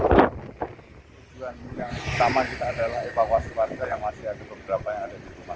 tujuan yang utama kita adalah evakuasi warga yang masih ada beberapa yang ada di rumah